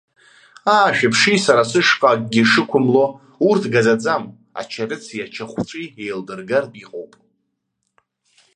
Аа, шәыԥши, сара сышҟа акгьы шықәымло, урҭ гаӡаӡам, ачарыци ачахәҵәи еилдыргартә иҟоуп.